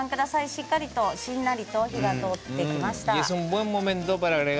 しっかりと、しんなり火が通ってきました。